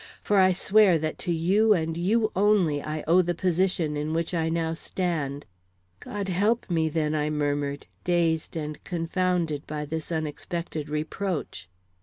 "For I swear that to you and you only I owe the position in which I now stand!" "God help me then!" I murmured, dazed and confounded by this unexpected reproach.